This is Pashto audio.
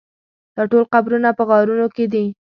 دا ټول قبرونه په غارونو کې دي.